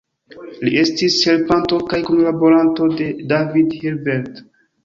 Li estis helpanto kaj kunlaboranto de David Hilbert.